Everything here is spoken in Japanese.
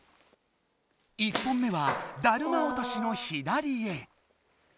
１本目はだるま落としの左へ。